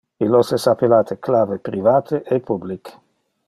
Illos es appellate clave private e public.